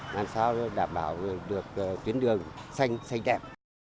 làm sao đảm bảo được tuyến đường xanh đẹp